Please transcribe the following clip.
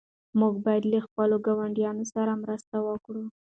موږ باید له خپلو ګاونډیانو سره مرسته وکړو.